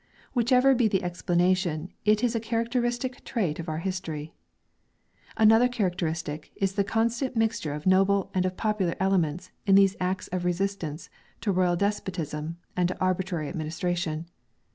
Whichever be the explanation, it is a characteristic trait of our history. Another characteristic is the constant mixture of noble and of popular elements in these acts of resist ance to royal despotism and to arbitrary administration.